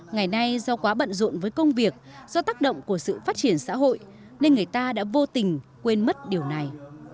ngày nay do quá bận rộn với công việc do tác động của sự phát triển xã hội nên người ta đã vô tình quên mất điều này